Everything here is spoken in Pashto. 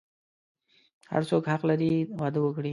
هر څوک حق لری واده وکړی